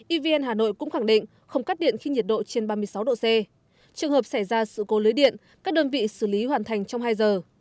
evn hà nội cũng khẳng định không cắt điện khi nhiệt độ trên ba mươi sáu độ c trường hợp xảy ra sự cố lưới điện các đơn vị xử lý hoàn thành trong hai giờ